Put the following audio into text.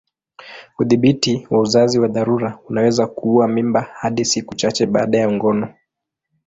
Udhibiti wa uzazi wa dharura unaweza kuua mimba hadi siku chache baada ya ngono.